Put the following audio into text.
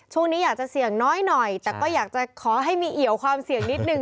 ช่วงนี้อยากจะเสี่ยงน้อยหน่อยแต่ก็อยากจะขอให้มีเหี่ยวความเสี่ยงนิดนึง